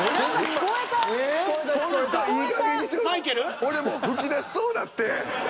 俺もう噴き出しそうなって。